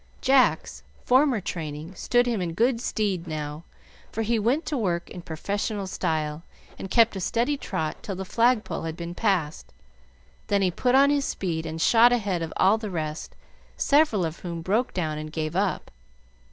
Jack's former training stood him in good stead now; for he went to work in professional style, and kept a steady trot till the flagpole had been passed, then he put on his speed and shot ahead of all the rest, several of whom broke down and gave up.